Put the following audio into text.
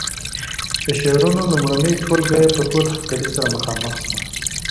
د شعرونو لومړنۍ ټولګه یې په تود هرکلي سره مخامخ شوه.